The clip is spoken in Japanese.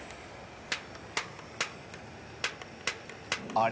あれ？